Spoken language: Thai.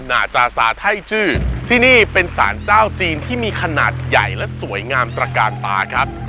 นาจาซาไท่ชื่อที่นี่เป็นสารเจ้าจีนที่มีขนาดใหญ่และสวยงามตระกาลตาครับ